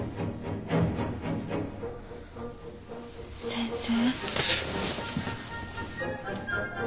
先生。